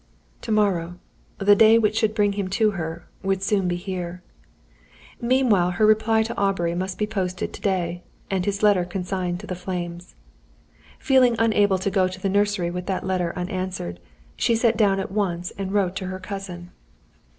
To morrow the day which should bring him to her would soon be here. Meanwhile her reply to Aubrey must be posted to day, and his letter consigned to the flames. Feeling unable to go to the nursery with that letter unanswered, she sat down at once and wrote to her cousin.